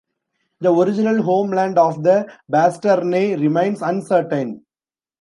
The original homeland of the Bastarnae remains uncertain.